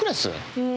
うん。